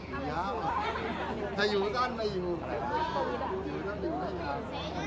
อยู่ยาวถ้าอยู่ด้านไม่อยู่อยู่ด้านหนึ่งไม่ยาว